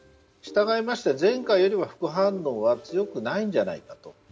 したがいまして、前回よりは副反応は強くないんじゃないか。